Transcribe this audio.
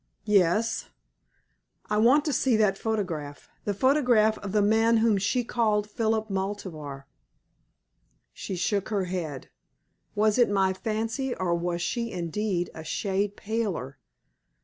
"Yes." "I want to see that photograph the photograph of the man whom she called Philip Maltabar." She shook her head. Was it my fancy, or was she indeed a shade paler?